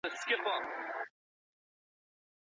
لوی مقاومت یوازي په پوهي سره نه سي ماتېدای.